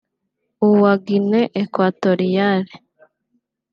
uwa Guinée équatoriale